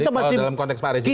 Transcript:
kalau dalam konteks pak rizik